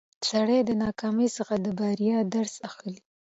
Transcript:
سړی د ناکامۍ څخه د بریا درس اخلي